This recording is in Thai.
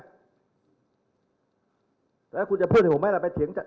แล้วถ้าคุณจะพูดให้ผมไปเฉียง